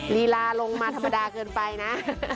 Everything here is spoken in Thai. ลีลาลงมาธรรมดาเกินไปนะ